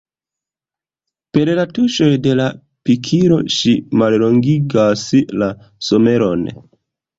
Per la tuŝoj de la pikilo ŝi mallongigas la someron.